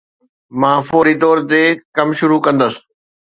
مان فوري طور تي ڪم شروع ڪندس